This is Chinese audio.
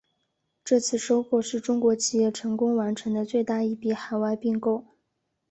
这次收购是中国企业成功完成的最大一笔海外并购。